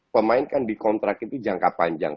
pemain kan di kontrak itu jangka panjang